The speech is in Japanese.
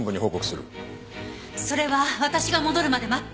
それは私が戻るまで待って。